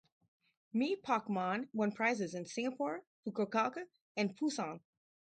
"Mee Pok Man" won prizes in Singapore, Fukuoka and Pusan.